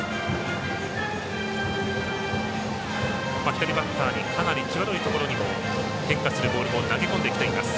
左バッターにかなり際どいところにも変化するボールを投げ込んできています。